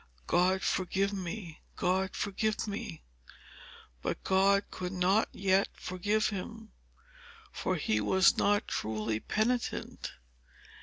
"God forgive me! God forgive me!" But God could not yet forgive him; for he was not truly penitent.